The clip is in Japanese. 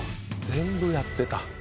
全部やってた。